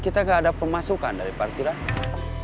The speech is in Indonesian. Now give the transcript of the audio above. kita gak ada pemasukan dari partai